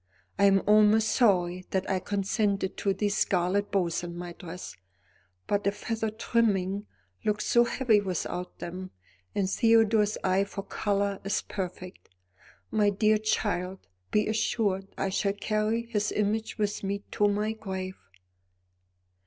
I am almost sorry that I consented to these scarlet bows on my dress, but the feather trimming looked so heavy without them, and Theodore's eye for colour is perfect. My dear child, be assured I shall carry his image with me to my grave."